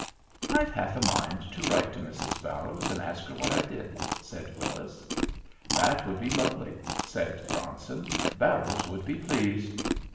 "I've half a mind to write to Mrs. Barrows and ask her what I did," said Willis. "That would be lovely," said Bronson. "Barrows would be pleased."